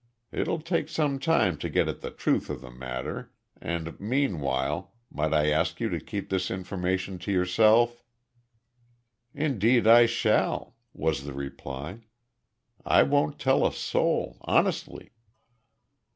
It'll take some time to get at the truth of the matter and, meanwhile, might I ask you to keep this information to yourself?" "Indeed I shall!" was the reply. "I won't tell a soul, honestly."